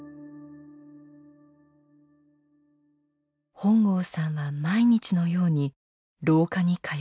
本郷さんは毎日のように廊下に通いました。